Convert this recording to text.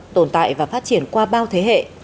tồn tại và phát triển qua bao thế hệ